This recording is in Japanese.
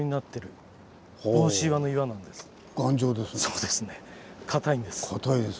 そうですね硬いんです。